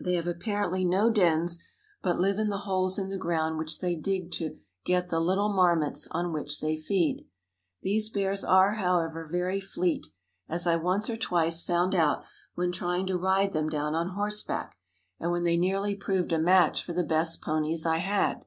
They have apparently no dens, but live in the holes in the ground which they dig to get the little marmots on which they feed. These bears are, however, very fleet, as I once or twice found out when trying to ride them down on horseback, and when they nearly proved a match for the best ponies I had.